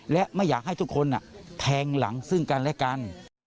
และไม่อยากให้ทุกคนแทงหลังซึ่งกันและกัน